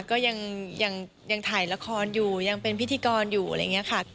ก็ยังถ่ายละครอยู่ยังเป็นพิธีกรอยู่อะไรอย่างนี้ค่ะ